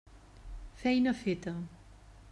Feina feta.